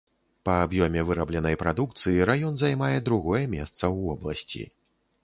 Па аб'ёме вырабленай прадукцыі раён займае другое месца ў вобласці.